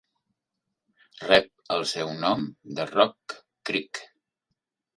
Rep el seu nom de Rock Creek.